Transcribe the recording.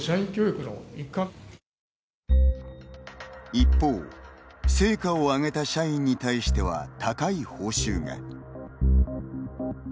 一方、成果を上げた社員に対しては高い報酬が。